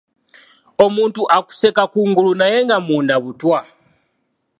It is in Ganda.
Omuntu akuseka kungulu naye nga munda butwa.